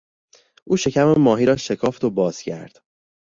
او شکم ماهی را شکافت و باز کرد.